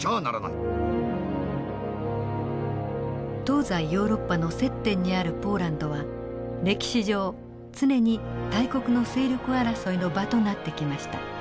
東西ヨーロッパの接点にあるポーランドは歴史上常に大国の勢力争いの場となってきました。